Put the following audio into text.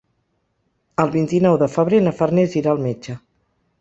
El vint-i-nou de febrer na Farners irà al metge.